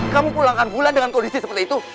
kamu pulangkan bulan dengan kondisi seperti itu